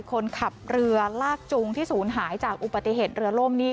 คนขับเรือลากจุงที่ศูนย์หายจากอุบัติเหตุเรือล่มนี่